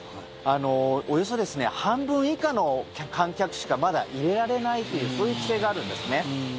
およそ半分以下の観客しかまだ入れられないというそういう規制があるんですね。